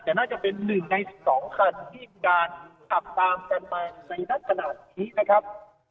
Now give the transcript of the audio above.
แต่น่าจะเป็นหนึ่งในสองคันที่มีการขับทางไปในนักขนาดนี้นะครับ